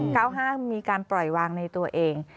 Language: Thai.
ห้ามมีการปล่อยวางในตัวเอง